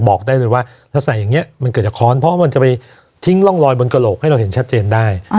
บอกได้เลยว่าถ้าใส่อย่างนี้มันเกิดจากค้อนเพราะมันจะไปทิ้งร่องรอยบนกระโหลกให้เราเห็นชัดเจนได้